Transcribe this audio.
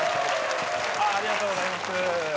ありがとうございます。